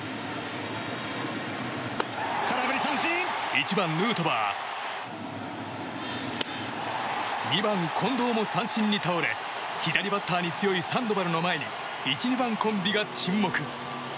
１番、ヌートバー２番、近藤も三振に倒れ左バッターに強いサンドバルの前に１、２番コンビが沈黙。